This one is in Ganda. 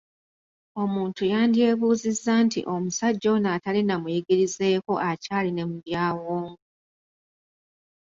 Omuntu yandyebuuzizza nti omusajja ono atali na muyigirizeeko akyali ne mu byawongo.